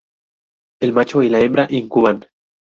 El macho y la hembra incuban.